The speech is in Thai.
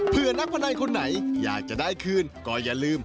เพื่อนักพนันคนไหนอยากจะได้คืนก็อย่าลืม